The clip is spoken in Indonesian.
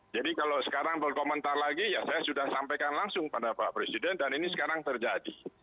jadi kalau sekarang berkomentar lagi ya saya sudah sampaikan langsung pada pak presiden dan ini sekarang terjadi